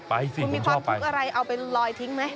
ไปสิคุณชอบไปคุณมีความทุกข์อะไรเอาไปลอยทิ้งไหม